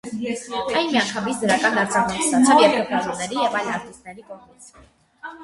Այն միանգամից դրական արձագանք ստացավ երկրպագուների և այլ արտիստների կողմից։